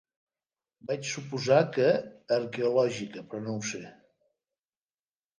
Vaig suposar que arqueològica, però no ho sé.